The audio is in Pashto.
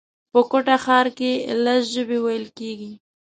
په کوټه ښار کښي لس ژبي ویل کېږي